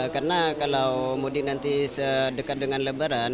karena kalau mudik nanti sedekat dengan lebaran